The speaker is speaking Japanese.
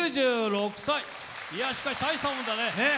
しかしたいしたもんだね。